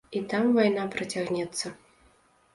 І там вайна працягнецца.